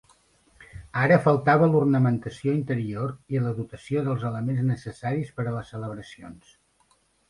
Ara faltava l'ornamentació interior i la dotació dels elements necessaris per a les celebracions.